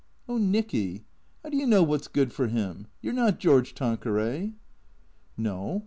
" Oh, Nicky, how do you know what 's good for him ? You 're not George Tanqueray." " No.